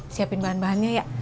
siapin bahan bahannya ya